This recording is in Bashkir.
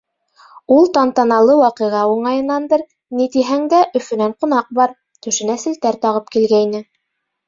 Ул тантаналы ваҡиға уңайынандыр, ни тиһәң дә, Өфөнән ҡунаҡ бар, түшенә селтәр тағып килгәйне.